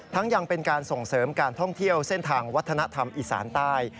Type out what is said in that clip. ยังเป็นการส่งเสริมการท่องเที่ยวเส้นทางวัฒนธรรมอีสานใต้